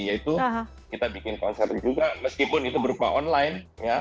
yaitu kita bikin konser juga meskipun itu berupa online